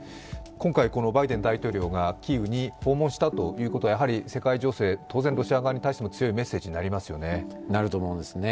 今回バイデン大統領がキーウに訪問したということはやはり世界情勢、当然、ロシア側に対してもなると思いますね。